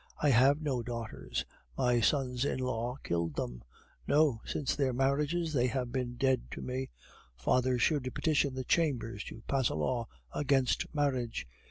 I have no daughters, my sons in law killed them. No, since their marriages they have been dead to me. Fathers should petition the Chambers to pass a law against marriage.